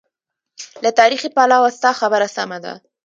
له تاریخي پلوه ستا خبره سمه ده.